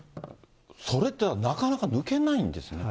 それってなかなか抜けないんですね。